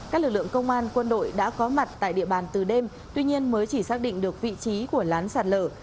các lực lượng công an quân đội đã có mặt tại địa bàn từ đêm tuy nhiên mới chỉ xác định được vị trí của lán sạt lở